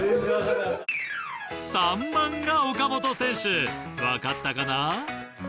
３番が岡本選手分かったかな？